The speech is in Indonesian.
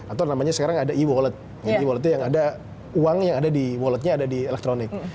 atau namanya sekarang ada e wallet e walt yang ada uang yang ada di walletnya ada di elektronik